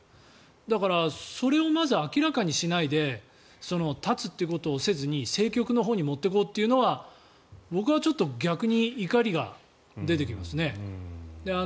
だからそれをまず明らかにしないで絶つということをせずに政局のほうに持っていこうというのは僕は逆に怒りが出てきますね。